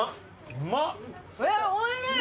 おいしい！